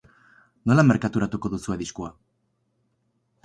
Nola merkaturatuko duzue diskoa?